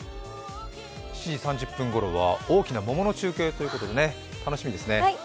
７時３０分ごろは大きな桃の中継ということで楽しみですね。